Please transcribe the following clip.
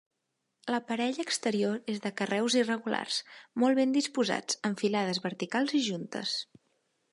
L'aparell exterior és de carreus irregulars, molt ben disposats, amb filades verticals i juntes.